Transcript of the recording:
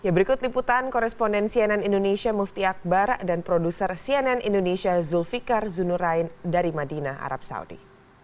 berikut liputan koresponden cnn indonesia mufti akbar dan produser cnn indonesia zulfikar zunurain dari madinah arab saudi